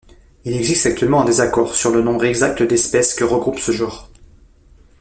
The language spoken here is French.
Il existe actuellement un désaccord sur le nombre exact d'espèces que regroupe ce genre.